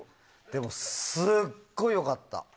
でもすっごい良かった。